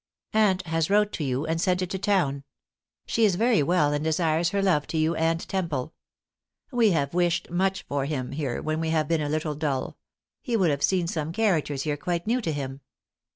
"Aunt has wrote to you, and sent it to town. She is very well, and desires her love to you and Temple. We have wished much for him here when we have been a little dull; he would have seen some characters here quite new to him.